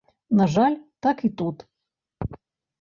На жаль, так і тут.